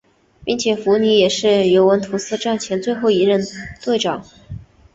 并且福尼也是尤文图斯战前最后一任队长。